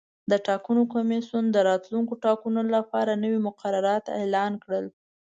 د ټاکنو کمیسیون د راتلونکو ټاکنو لپاره نوي مقررات اعلان کړل.